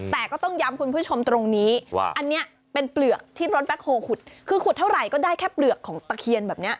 แต่ก็ต้องย้ำคุณผู้ชมตรงนี้ว่าอันนี้เป็นเปลือกที่รถแบ็คโฮลขุดคือขุดเท่าไหร่ก็ได้แค่เปลือกของตะเคียนแบบนี้